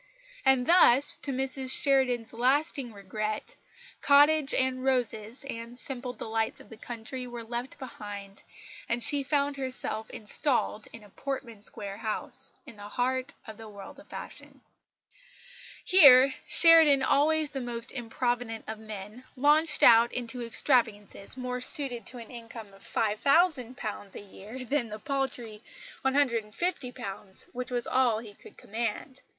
And thus, to Mrs Sheridan's lasting regret, cottage and roses and simple delights of the country were left behind, and she found herself installed in a Portman Square house, in the heart of the world of fashion. Here Sheridan, always the most improvident of men, launched out into extravagances more suited to an income of £5000 a year than the paltry £150 which was all he could command.